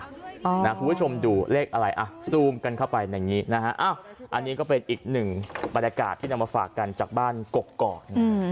คุณผู้ชมดูเลขอะไรซูมกันเข้าไปอันนี้ก็เป็นอีก๑บรรยากาศที่เรามาฝากกันจากบ้านกกก่อน